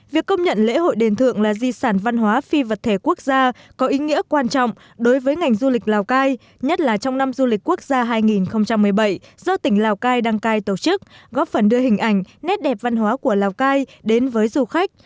việc công nhận lễ hội đền thượng là di sản văn hóa phi vật thể quốc gia có ý nghĩa quan trọng đối với ngành du lịch lào cai nhất là trong năm du lịch quốc gia hai nghìn một mươi bảy do tỉnh lào cai đăng cai tổ chức góp phần đưa hình ảnh nét đẹp văn hóa của lào cai đến với du khách